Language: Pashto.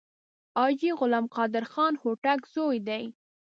حاجي غلام قادر خان هوتک زوی دی.